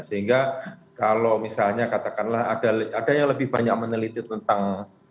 sehingga kalau misalnya katakanlah ada yang lebih banyak meneliti tentang